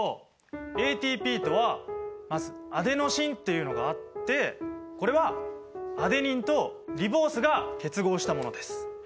ＡＴＰとはまずアデノシンっていうのがあってこれはアデニンとリボースが結合したものです。